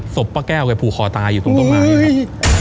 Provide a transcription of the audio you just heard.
ป้าแก้วแกผูกคอตายอยู่ตรงต้นไม้ครับ